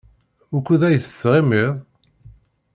Wukud ay tettɣimiḍ?